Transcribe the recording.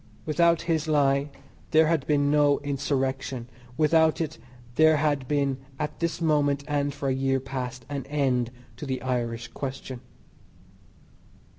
Without his lie there had been no Insurrection; without it there had been at this moment, and for a year past, an end to the "Irish question."